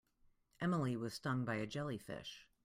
Emily was stung by a jellyfish.